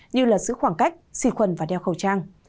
như là giữ khoảng cách xì khuẩn và đeo khẩu trang